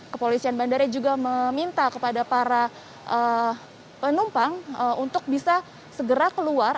kepolisian bandara juga meminta kepada para penumpang untuk bisa segera keluar